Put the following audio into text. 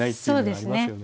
そうですね。